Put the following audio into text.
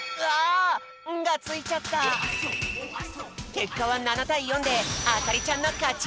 けっかは７たい４であかりちゃんのかち！